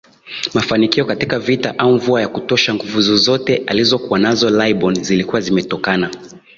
mafanikio katika vita au mvua ya kutosha Nguvu zozote alizokuwa nazo laibon zilikuwa zimetokana